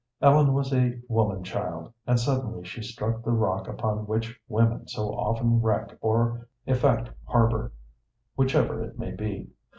Ellen was a woman child, and suddenly she struck the rock upon which women so often wreck or effect harbor, whichever it may be.